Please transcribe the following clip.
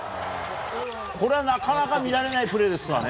これはなかなか見られないプレーですわね。